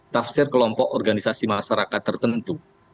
tafsir kelompok organisasi masyarakat tertentu